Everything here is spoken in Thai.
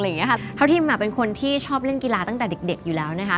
อะไรอย่างเงี้ยค่ะเท้าทีมอ่ะเป็นคนที่ชอบเล่นกีฬาตั้งแต่เด็กเด็กอยู่แล้วนะคะ